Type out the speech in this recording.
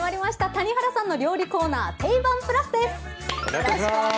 谷原さんの料理コーナーテイバンプラスです。